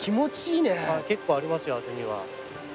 結構ありますよ厚みは。